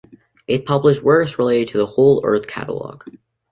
It published works related to the "Whole Earth Catalog".